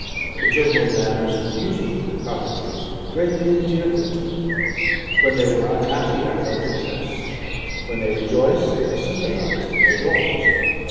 The gentle manners and beauty of the cottagers greatly endeared them to me: when they were unhappy, I felt depressed; when they rejoiced, I sympathised in their joys.